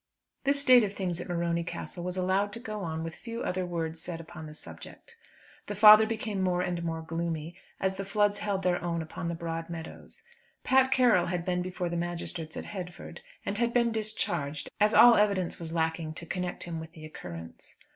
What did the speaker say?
This state of things at Morony Castle was allowed to go on with few other words said upon the subject. The father became more and more gloomy, as the floods held their own upon the broad meadows. Pat Carroll had been before the magistrates at Headford, and had been discharged, as all evidence was lacking to connect him with the occurrence.